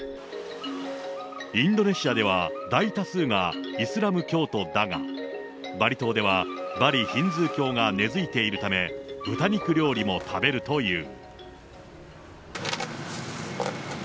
インドネシアでは、大多数がイスラム教徒だが、バリ島ではバリ・ヒンズー教が根付いているため、豚肉料理も食べるという。